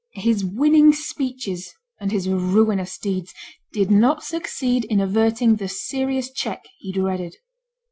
his winning speeches, and his ruinous deeds, did not succeed in averting the serious check he dreaded.